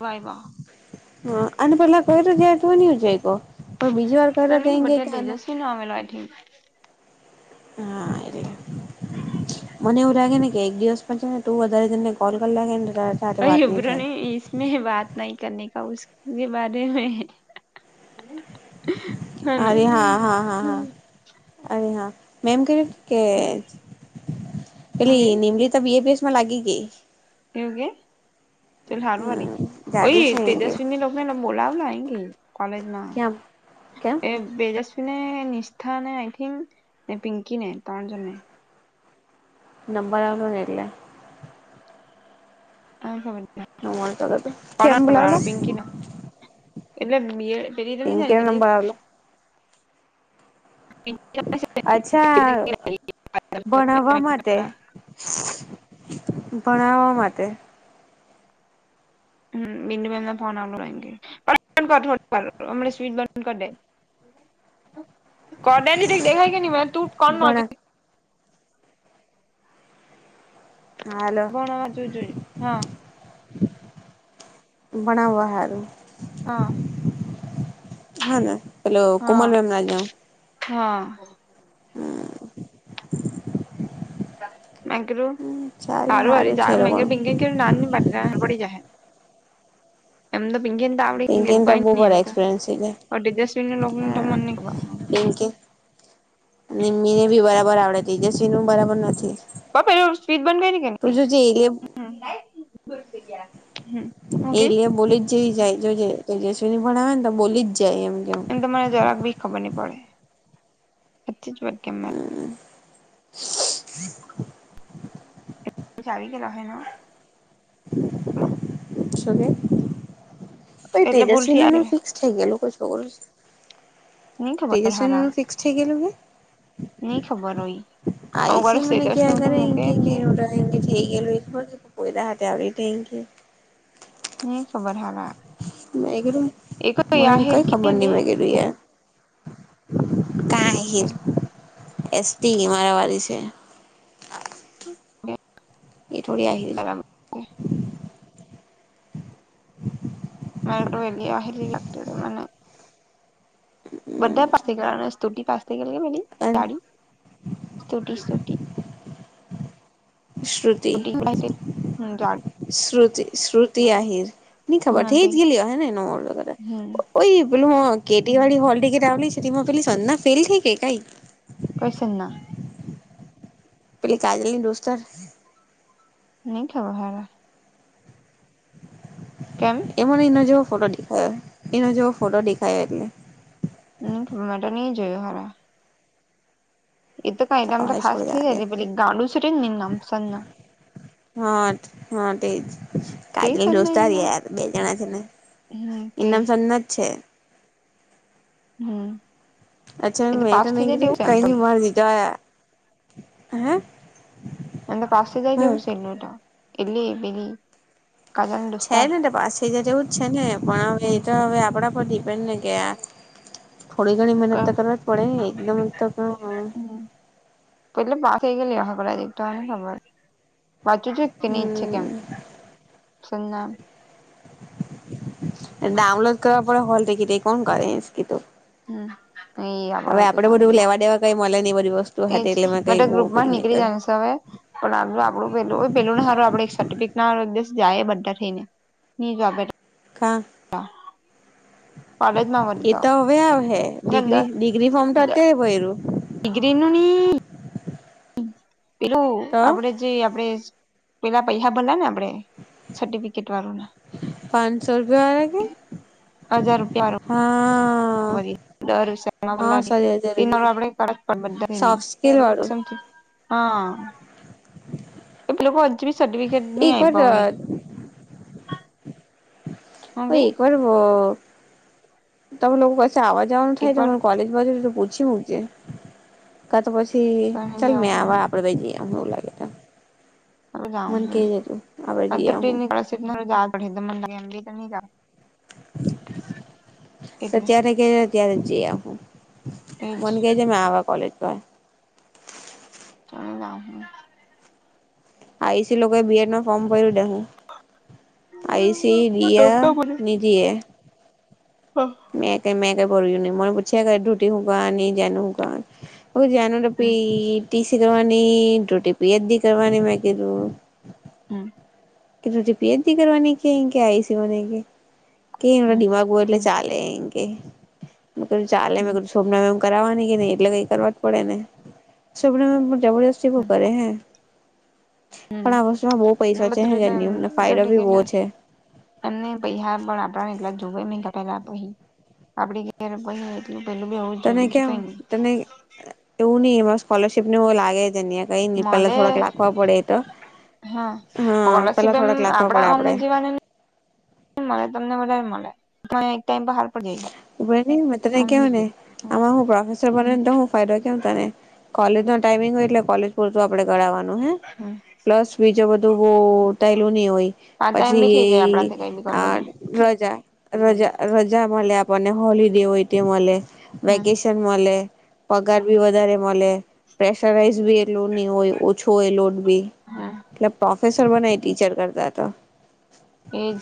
Y, વા હન, અને પેલા કર્યો ત્યાર તો ની જાયગો. પણ બીજી વાર કર્યો તય ઈમ કેય કે આના હા મને એવું લાગે ને કે એક દિવસ પછી, ને તુ વધારે જન ને કોલ કર લાગે ન તો અહી, ઉબ્રણી ઇસ્મે મે બાત નઈ કરને, કા ઉસકે બારે મે. અરે, હા હા, હા હા અરે હા, મે એમ ક્યુ કે ઓકે પેલી નિમલી તા બી એ મા, લાગી ગઈ. એવું કે ચલ હારવાની. હમ ઓય ગાડી છે એમ કે તેજસ્વીની લોકોને બોલાવને કૉલેજમા, કેમ કેમ એ તેજ ને, નિસ્ઠાને, આઈથીંક ને પિંકીને ત્રણ જનને નબર, આવલો એટલે આ ખબર નહીં [unintelligible] કોનો કેમ નંબર બોલાવેલા. આવ્યો પિંકીનો એટલે, બે પેલી તો [unintelligible] આવલો પિંકી અચ્છા ભણાવા માટે, ભણાવા માટે [inaudible] હમ. બિંદુબેનને ફોન આલો એન કઈ [unintelligible] અમના સ્વિચ બંધ કર દે કર દે ની દેખાય કે ની મને તું કર બણ નજીક હાલો ભણવા, તો જોઈ. હન ભણાવા, હારુ આ હોને. પેલો હા કોમલ [unintelligible] ના જાવ હા હમમ મેગરું ચાલે હારુ અરી હારું છે જા એ મેગે લોકોનું પિગે કે ના ની બદરા ખબર પડી જહે. એમ તો પિંકી ને તો આવડી ગેયલુ પિંકીને તો કઈ બહુ ની એમ બધા તો. એક્સપિરિયન્સ થઈ જાય પણ તેજસ્વી ની લોક નું તો મન ની ખબર હ. નિમ્મી ને બી બરાબર આવડે, ત્તેજસ્વીનું બરાબર નથી. પપ્પા એવુ સ્વીચ બંધ કયરી કે નઈ હમમ લાઈટ ની. હમ હું કેય એટલે બોલી જેવી જાય. જો જે તેજસ્વીની ભણાવે ને તો બોલી જ જેવી જાય એમ કેવ. તો મને જરાક બી ખબર ની પડે. હાચી જ વાત કેમ મે ચાવી કે રહે ન. શું કે? ઓય એટલે ભૂલથી તેજસ્વીની આવી નું ગેલા ફિક્સ થઈ ગેલુ. કોઈ છોકરો ની ખબર તેજસ્વીની હારા નું ફિક્સ થઇ ગેલુ કે નઈ ખબર હોય અમુક વાર આયુષી મને સ્ટેટસ ને કિયા એવું કરે એમ મૂકે કે એટલે એનું તો એમ થેય ગેલુ ખબર કે પેલા પોયરા હાથે આવેલી તે ઇમ કેય ની ખબર હારા મેકીરૂ એ કોઈ મને આહીર કઈ ખબર ની કેદે મળે કીધ યાર. કાય એ એસટી મારા વારી છે. એ થોડી આયવી છે. બરાબર છે [inaudible] મેલ એલી અ હલી લાગતડ મને. બધા પાસ થઈ ગયા સ્તુટી પાસ પાસ થઈ ગેલી કે પેલી અને જાડી સ્તુતિ સ્તુતિ. શ્રુતિ. સ્તુતિ પાસે હમ જાડી શ્રુતિ, શ્રુતિ આહિર ની ખબર થે જ ગેલી અહે ને એનું વગ. હમમ પેલું હ કેટી વાડી હોલ ટિકિટ આવેલી છે તેમાં પેલી સજના ફેલ થઈ કે કાઈ? કઈ સજના? પેલી કાજલ ની દોસ્તાર. ની ખબર હારા. કેમ એ મને એના જેવો ફોટો દેખાયો, એના જેવો ફોટો દેખાયો એટલે. ની ખબર મેં તો ની જોયું હારા. એ તો કા એટલેમ તો હવે છોડ ફાસ્ટ થઈ જાય યાર ને પેલી ગાડું છે ને એનું નામ સંજના. હા હા તે જ. તે કાજલી સંજના દોસ્તાર એનું નામ યાર બે જણા છે ને હમ એનું તે નામ સજના જ છે. હમમ અચ્છા મે તો મેં કીધું કય ની મારે બીજા. હે? એને તો પાસે થેય હું ગેયલુ સેનુટ એલે એ બલી. છે ને તો પાછી તો તેવું જ છે ને પણ હવે એ હમ તો હવે આપડા પર દીપેન બેને ગયા. થોડી ઘણી મહેનત તો કરવા જ પડે ને એકદમ તો. એટલે પાસ થઈ ગેલી અહે કદાચ મને ની ખબર વાચું જોત એ જ છે કેમ? એનું નામ ડાઉનલોડ કરવા પડે હોલ ટિકિટ એ કોણ કરે ઈસ્કી તો. હમ એ હવે આપડ કોઈ આપડે કામ ન બધું લેવા દેવા કઈ મળે ની બધી વસ્ એજ મેં તો ગ્રુપમાં જ નીકળી જવાની છે હવે પણ આપલું આપડું પેલું પેલું ને સારું આપડે સર્ટિફિકેટ ના હારુ એક દિવસ જાયે બધા થેઈને ની જો આપે તો હા. એ તો હવે આવહે ડિગ્રી ડિગ્રી ફોર્મ તો અત્યારે ભર્યું. ડિગ્રીનું ની. પેલું તો આપડે જે આપડે પેલા પૈસા ભરલાને. આપડે સર્ટિફિકેટ વાડામાં. પાંચસો રૂપિયા વાળા કે હજાર રૂપિયા હા વળી. દર સાલ [unintelligible] હા સારી હજાર રૂપિયા આપડે કરપડ બધાને, સોફ્ટ સ્કીલ વાળું કસમથી. હા. એ પે લોકો અજી બી સરર્ટીફીકેટ ની એકવાર આઈપા હોય. [inaudible] હું હ ગઈ એક વાર બો તમે લોકો ક આવા જવાનું થાય એકવાર ત કલેજ બલેજ તો પૂછી મુખજે કત પછ ચાલ મેં આવા આપડે ભ જઈ એવું લાગે તો. હ જાવ મને કે હમ્મ, જે તું આપડે જઈ અત્ર આવું નીકળ પડે મ લમ. [unintelligible] એટલે અત્યારે કે ત્યારે જ જઈ આવહું. એજ મને કે છે મે આવા કોલેજ પર. ચલ ગામ હ. [unintelligible] આઈ સી લોકો બી એડ નો ફોર્મ ભર્યું દે. આયુસી, લીયા નિધીએ. મે ક મેક ભ્યુંને મને પુછ્યા ધઢૂતી શુંકની જાનું હું કરવાની. હું જાનું ટપી ટીસી કરવાની રોટી પી એચ ડી કરવાની મે કીધું હમ. કે તી પી એચ ડી કરવાની કે કે આયુસી મને કેય. કે એ દિમાગ હો એટલે ચાલે એમ કે, કધું ચાલે મે કધું સોના કરાવવાની કે નહી એટલે કઈ કરવા જ પડે ને જબરજસ્તી બહ કરે હે. પણ આ વસ્તુમાં બહુ પૈસા ટલે [unintelligible] એમને પૈસા પણ આપડા એટલા દુબઈ મહિ પેલા પહી, આપડી ઘરે પહી એટલે તને કેમ તને એવું નહી એમાં સ્કોલરશીપ ને લાગે જન્યા કઈ પેલા મલે થોડક લાખવા પડે એ તો. હા હા સ્કોલરશીપ પેલા એમ થોડાક લાખવા આપડા પડે અમને આપડે જીવાને મળે તમને વધારે મળે પણ એકટાઈમ હા તને મૈં ત કેવને, આન હું પ્રફેસર બને તો હ ફાયદો કેવ તને, કોલેજ નો ટાઈમિંગ હોય એટલે કોલેજ પૂરતું આપણે ગાવવાનું. પ્લસ બીજું બધું બો તાયલુ નહી હોય. પાંચ ટાઈમ બી પછી થઈ જાય એ આપડાથી કઈ બી કરવું આ એટલે રજા. રજા રજા મળે આપણને હોલડે હોય તે મળે, હમ વેકેશન મળે. પગાર ભી વધારે. પ્રેશરાઇઝ બી એટલુ નહી હોય ઓછો હોય લોટ બી, હમ એટલે પ્રોફેસર બને ટીચર કરતા તો. એજ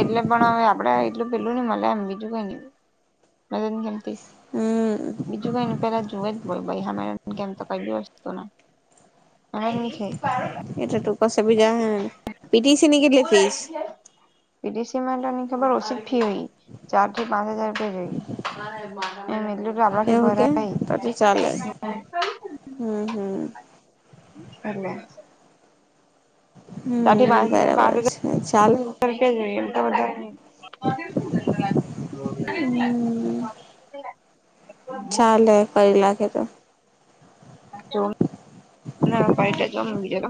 એટલે પણ હવે આપડે એટલું પેલું નઈ મળે એમ બીજું કઈ નઈ. મજને કેમતી [unintelligible] હમ બીજું કોઈ એને પહેલા જુએ જ બોલ ભાઈ હમેરા કેમ તો કંઈ વ્યસ્ત [unintelligible] પછી બીજા હ પી ટી સી ની કેટલે ફીઝ? પી ડી સી માંટે ની ખબર હ ઓસી ફી હોય. ચાર થી પાંચ હજાર રૂપિયા જોઈ, એ મ એટલું કે આપણા થી એવું કે ભરાય. તો તો ચાલે હમ હમ. અને સા હમ પાંચ બરાબર પાંચ છે ચાલે હજાર રૂપિયા એ તો હમ બધા. [unintelligible] ચાલે ફરી કરી લાખે તો. જો ના કઈટ ચોમ બીજ તો.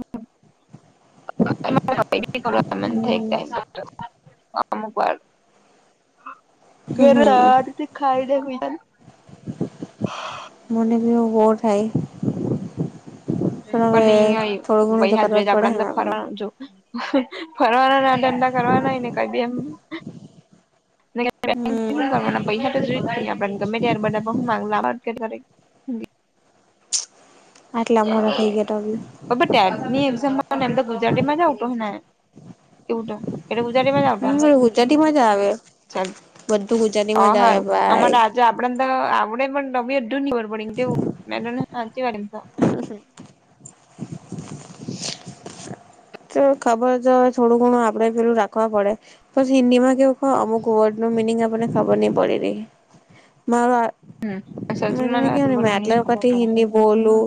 હમ [unintelligible] અમુક વાર ઘેરે હમ હરખી ખાઈને હુઇજા ની મને બી એવું બહુ થાય. પણ અહીંયા એ થોડું ઘણું તો વયહા કરવા જ જોઈજ પડે આપડેને ને તો આપડે ફરવા જો. ફરવાના ધંધા કરવાનાય કાયબી એમ [unintelligible] હમ કરવાના પૈસા તો જોય આપને ગમે યાર બધા બહુ માંગલા આ આવટ કરે આટલા મોડા થઈ ગયા તો બી અબે ટેબ ની એક્ઝામ મા એમતો [unintelligible] એવું તો એ ગુજરાતી મા જ આવતા હમ ગુજરાતી માં જ આવે [unintelligible] ચાલ બધું અ ગુજરાતીમાં જ આવે હારું ભાઈ અમારે આજે આપડે આપડે પણ [unintelligible] મેને સાચી વાળ તો [unintelligible] તો ખબર જો થોડું ઘણું આપડે પેલું રાખવા પડે પછી હિન્દીમાં એવુકો અમુક વર્ડ નુ મિનિંગ આપને ખબર નહિ પડી રહી મારો આ હમ મે તને સંસ્કૃતમાં કેહુ એટલું ને મે બધું ની આંટલા ખબર વખતથી પડે હિદી બોલું.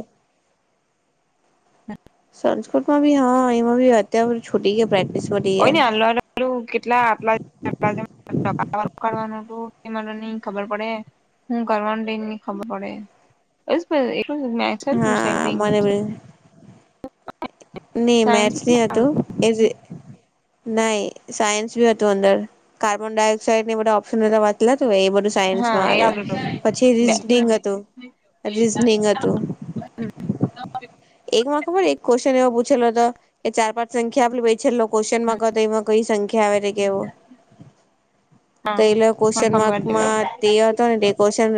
સંસ્કૃતટમાં ભી હા એમાં ભી અત્યારે છૂટી ગયા પ્રેક્ટિસ બધી હોય યાર ને અનલા કેટલા આપલા કારવાનું હતું એમા તો ની ખબર પડ, હું કરવાનું એબી નહી ખબર પડે હા [unintelligible] ની સાયન્સ મેથ્સ ન હતું એજે નહિ સાયન્સ બી હતું અંદર કાર્બન ડાયોક્સાઇડ ને બધા ઓપ્શન હતા વાચલાતું એ બધ હા સાયન્સમાં એ આવે આવડ્યું તું પછી બે રીઝનિંગ હતું રીઝનિંગ હતું. હમ્મ એકમાં ખબર એક ક્વેશ્ચન એવો પૂછેલો હતો કે ચાર પાંચ સંખ્યા આપે બેચેલો ક્વેશ્ચનમાં ક એમાં કઈ સંખ [unintelligible] તો હા એલો હા ક્યુશન ખબર માર્કમાં તે હતો ને તે ક્યુસ્શન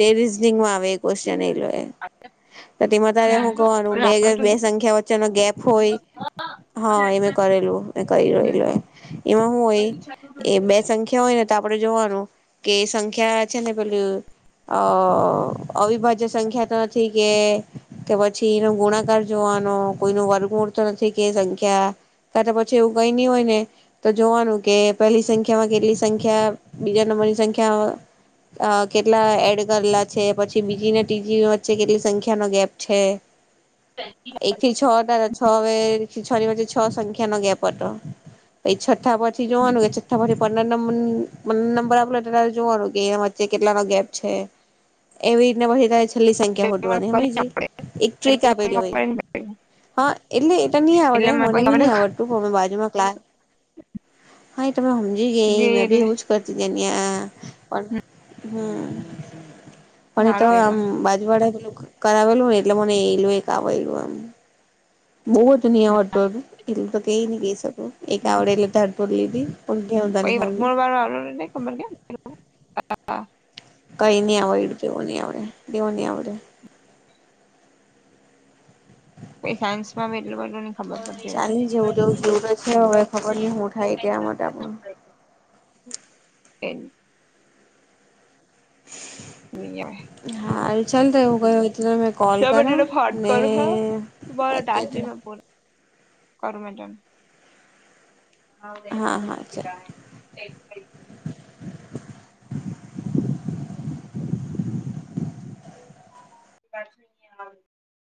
તે રીઝનિંગમાં આવે એ ક્વેશ્ચન એ લો તેમાં તારે હું? પરો બે ને બે સંખ્યા વચ્ચે નો ગેપ હોય. હા એં કરેલું, મે કરીયો એટલે એમાં શું હોય એ બે સંખ્યા હોય ને આપડે જોવાનું કે સંખ્યા છે ને પેલું અ અવિભાજ્ય સંખ્યા તો નથી કે કે વ છી એનો ગુણાકાર જોવાનો કોઈ નું વર્ગમૂળ તો નથી કે સંખ્યા કા તો પછી એવું કઈ નહિ હોય ને તો જોવાનું, કે પેલી સંખ્યા માં કેટલી સંખ્યા બીજા નંબ વળી ની સંખ્યા અ કેટલા એડ કરેલા છે, પછી બીજીને તીજી વચ્ચે કેટલી સંખ્યા નો ગેપ છે. એક થી છ હતા છથી છ ની વચે છ સંખ્યા નો ગેપ હતો પછી છઠ્ઠા પછી જોવાનું કે છઠ્ઠા પછી પંદર નંબર પંદર નંબર આપ જોવાનું કે એના વચ્ચે એ કેટલા નો ગેપ છે, એવી રીતે પછી તારે છેલ્લી સંખ્યા હોધવાની હમઈજી ટ્રીક આપેલી હોય એટલે હા એટલે એટ નઈ આવડે મને ભી નહી આવડતું પણ અમે બાજુમાં ક્લા હા એતો મે સમજી ગઈ, મેં બી એવું જ કરતી એની નિયા હમ્મ મને તો સારું આમ એમાં બાજુવાળા પેલું કરાવેલું ને એટલે મને એલું એક આવેલું આમ બહુંજ [unintelligible] એટલું તો કઈ ન ક શકું એક હમ આવડેલ તટો લીધી પણ ઘેઉ તને ખાવી [unintelligible] કઈ નઈ આવેય એ એવો નહી આવડે એવો નહી આવડે. પહી સાયન્સમાં એટલું બધું ની ખબર [inaudible] પડતી ચાલની જેવુંવું હતી જેવ તો છે હવે ખબર નહી હું થાય તેના માટે તમું. એન. [unintelligible] હારું ચાલ તો એવું કયું હોય તો મેં કોલ કરા ને અત્યારે તો કરું મેં તને. હવે [unintelligible] હા હા ચાલ એક થઇ ગયું. [inaudible] [unintelligible]